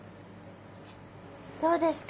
どうですか？